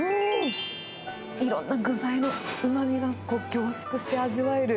いろんな具材のうまみが凝縮して味わえる。